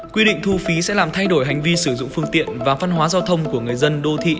quy định thu phí sẽ làm thay đổi hành vi sử dụng phương tiện và phân hóa giao thông của người dân đô thị